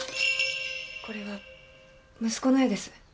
これは息子の絵です。